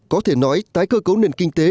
có thể nói tái cơ cấu nền kinh tế